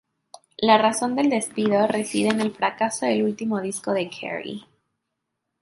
La razón del despido reside en el fracaso del último disco de Carey.